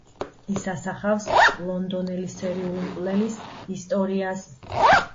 ის ასახავს ლონდონელი სერიული მკვლელის ისტორიას.